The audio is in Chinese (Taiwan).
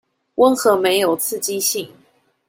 溫和沒有刺激性